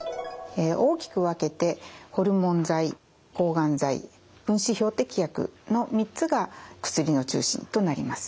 大きく分けてホルモン剤抗がん剤分子標的薬の３つが薬の中心となります。